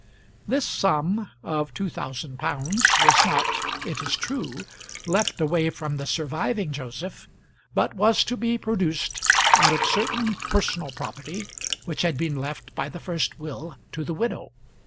This sum of two thousand pounds was not, it is true, left away from the surviving Joseph, but was to be produced out of certain personal property which had been left by the first will to the widow.